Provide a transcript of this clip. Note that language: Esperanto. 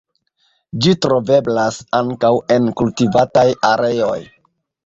Ĝi troveblas ankaŭ en kultivataj areoj.